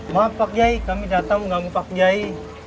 maaf pak jai kami datang menganggung pak jai